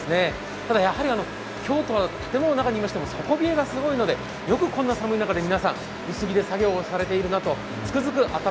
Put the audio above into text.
ただ、やはり京都は建物の中にいましても底冷えがひどいので、よくこんな寒い中、皆さん、薄着で作業されているなと思います。